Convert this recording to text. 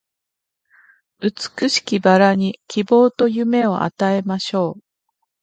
美しき薔薇に希望と夢を与えましょう